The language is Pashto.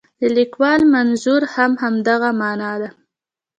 د لیکوال منظور هم همدغه معنا ده.